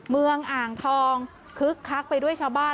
เมืองอ่างทองคึกคักไปด้วยชาวบ้าน